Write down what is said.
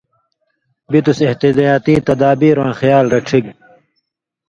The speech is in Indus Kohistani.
بِتُس احتیاطی تدابیر واں خیال رڇِھگ